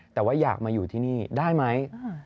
แต่ว่าอยากมาอยู่ที่นี่ได้ไหม